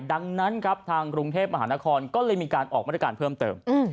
ดังนั้นครับทางกรุงเทพมหานครก็เลยมีการออกมาตรการเพิ่มเติม